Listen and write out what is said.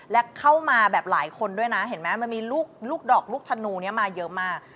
และเข้ามาแบบหลายคนด้วยนะเห็นไหมมันมีลูกดอกลูกธนูนี้มาเยอะมาก